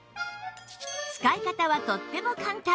使い方はとっても簡単